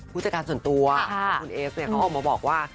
ผู้จัดการส่วนตัวของคุณเอฟเนี่ยเขาออกมาบอกว่า